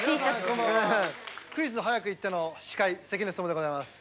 「『クイズ！早くイッてよ』の司会関根勤でございます」